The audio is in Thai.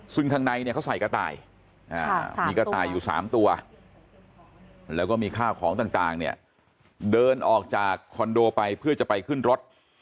ซึ่งข้างในเนี่ยเขาใส่กระต่ายมีกระต่ายอยู่๓ตัวแล้วก็มีข้าวของต่างเนี่ยเดินออกจากคอนโดไปเพื่อจะไปขึ้นรถ